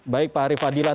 baik pak harifadillah